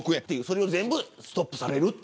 それが全部ストップされる。